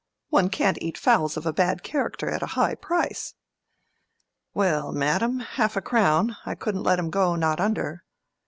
One can't eat fowls of a bad character at a high price." "Well, madam, half a crown: I couldn't let 'em go, not under."